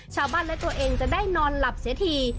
ชาวบ้านและตัวเองจะได้นอนหลับเสียที